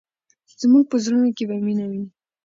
زموږ په زړونو کې به مینه وي.